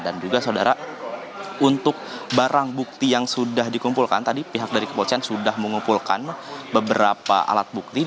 dan juga saudara untuk barang bukti yang sudah dikumpulkan tadi pihak dari kepolisian sudah mengumpulkan beberapa alat bukti